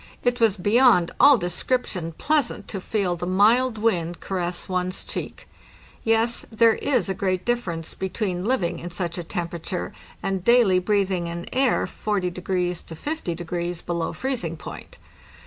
It was beyond all description pleasant to feel the mild wind caress one's cheek. Yes, there is a great difference between living in such a temperature and daily breathing an air 40° to 50° below freezing point.